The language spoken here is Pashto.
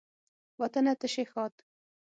وطنه ته شي ښاد